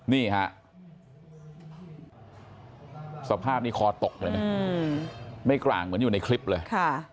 นี่ฮะสภาพนี้คอตกเลยนะไม่กลางเหมือนอยู่ในคลิปเลย